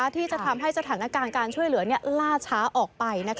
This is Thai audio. ที่จะทำให้สถานการณ์การช่วยเหลือล่าช้าออกไป